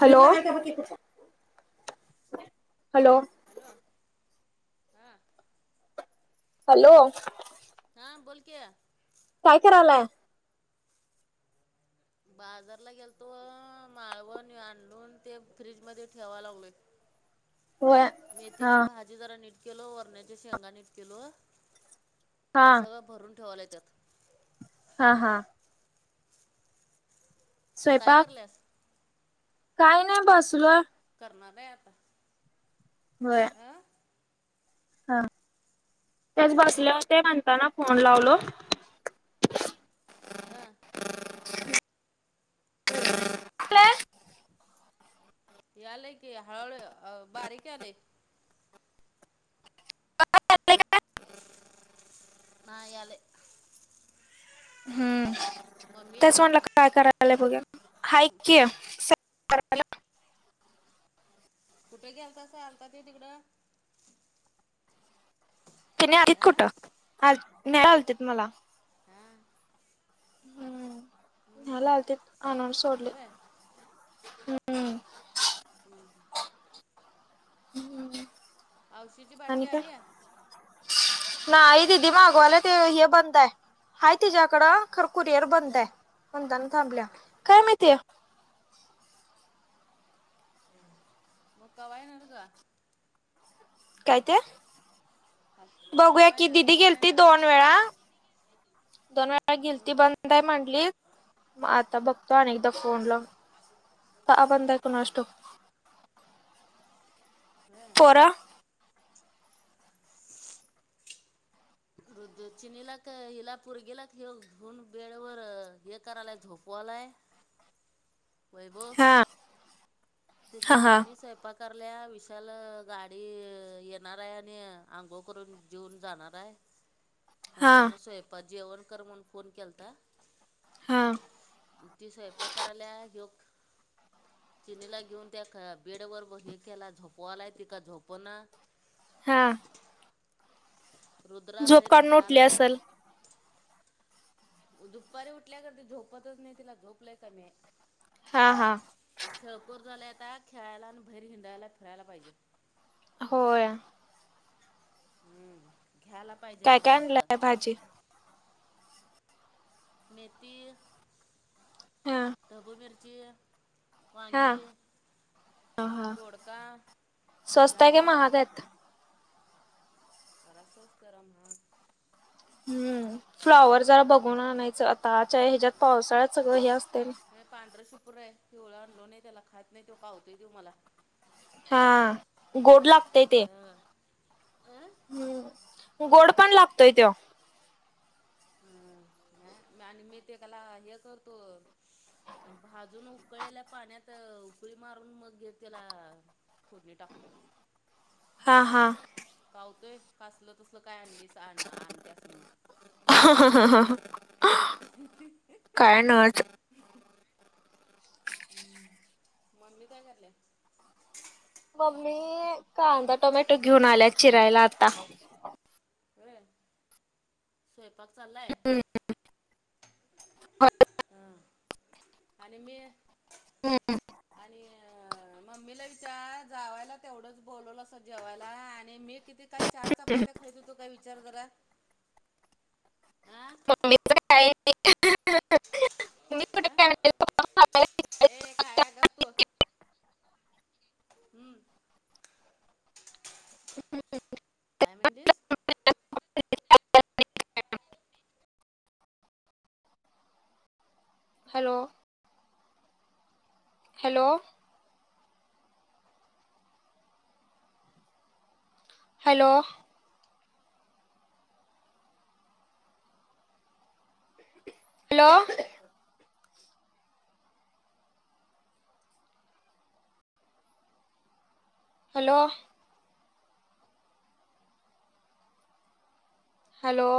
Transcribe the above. Hello, hello. Hello हा. Hello. हां बोल की. काय करायलाय? बाजारला गेलतो. माळवण आणलोन ते फ्रीज मध्ये ठेवा लागलोय. [inaudible] होय हा मेथीची भा जी जरा नीट केलो. गोरण्याच्या शेंगा नीट केलो. हा ते सगळं भरून ठेवायलोत्यात. हा हा. काय करल्यास? काही नाही बसलोय. करणारे आता. व्हय. अ. हा, तेच बसल्या होते म्हणताना फोन लावलो. ह. [inaudible] याले की, हळूहळ अ बारीक यालेय. नाय आले. मम्मी त्याच म्हटलं काय करायलाय बघुया. हायकी [inaudible] कुठे गेलतासा. आलता ते तिकडं? तने आलीत अं कुठं. न्यायला आलते मला. हा. हम्म हा लावते. आणून सोडले होय हम्म. हम्म हम्म. हम्म. आयुष्याची बाटली आली ये? नाही दिदी मागवाला ते हे बंदय. हाये तिच्या्याकडं. खर कुरीयर का बंदंय म्हणून ताने थांबल्या्या. काय माहिती? म कवा येणार ग? काय ते? बघूया कवा की दिदी कवा गेलती येणार दोन दोन वेळा. दोन वेळा. मगा गिलती हम्म बंदय म्हटली. आता बघतो अनीएकदा फोन हम्म लावून. का बंदय कुणास ठाऊक? व्हय. पोरं रुद्र चिनीला क हिला पोरगीला हे घन वेळेवर हे करायलाय झोपवालाय. वैभव. हा. तेची हा हा मममी सय कृपाकारल्या विशाल गाडी येणार आहे आणि अंघोळ करून जेऊन जाणार आहे [unintelligible] म्हणताना स्वयंपा जेवण कर म्हण फोन केलता हा ती स्वयंपा कराल्या ह्यो चिनीला घेऊन त्या बेड वर हे केला झोपवालाय ती काय झोपना हा रुद्रा झोप बाहेर काढून उठली खेळायलाय असेल दुपारी उठल्याकर त झोपतच नाही तिला झोप लय कमीय हा, हा बोर झालय आता खेळायला घ्यायला आणि बाहेर हिंडायला, फिरायला पाहिजे होय हम खेळायला पाहिजे तिला नुसता काजी मेथी, हा ढब्बू मिरची हा वांगी, हा हा दोडका, स्वस्त आहे काय फ्लावर महाग आहेत तर असच तरा महाग हम्म फ्लॉवर जरा बघून आणायचं आताच्या ह्याच्यात पावसाळ्यात सगळं हे असतंय हे पांढरं शुभ्र आहे पिवळ आणलो नाही त्याला खात नाही तो कावतोय त्यो मला हा गोड लागतय ते आ हम्म गोड पण लागतोय त्यो हम् आणि मी ते कला हे करतो भाजून उकळलेल्या पाण्यात उकळी मारून मग घेत त्याला फोडणी टाकतो हा, हा कावतोय फासल तसल काय आणलीस आण आणतस म्हणून काय नच [unintelligible] हम् मम्मी काय करायल्या मम्मी कांदा टोमॅटो घेऊन आल्या चिरायला आता होय स्वयंपाक चाललाय हा आणि मी हम आणि मम्मीला विचार जावायला तेवढंच बोलवलासा जेवायला आणि मी किती काय चार चप्पात्या खाईत होतो काय विचार जरा अ ए काळ्या गप तू हम्म [unintelligible] काय म्हणलीस hello hello hello hello hello hello